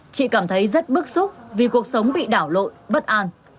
chị cảm thấy rất bức xúc vì cuộc sống bị đảo lộn bất an